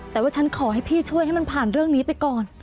แต่ว่าฉันขอให้พี่ช่วยให้มันผ่านเรื่องนี้ไปก่อน